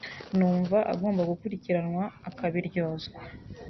numva agomba gukurikiranwa akabiryozwa